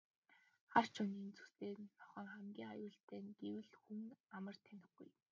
Хар чонын зүстэй нохойн хамгийн аюултай нь гэвэл хүн амар танихгүй.